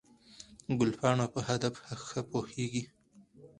ګلپاڼه په هدف ښه پوهېږي.